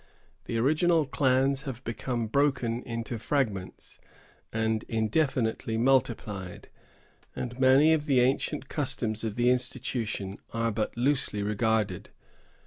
The original clans have become broken into fragments, and indefinitely multiplied; and many of the ancient customs of the institution are but loosely regarded.